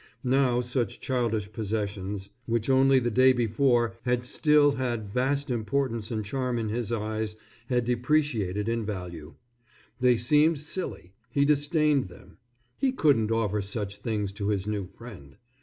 Now such childish possessions, which only the day before had still had vast importance and charm in his eyes, had depreciated in value. They seemed silly. He disdained them. He couldn't offer such things to his new friend.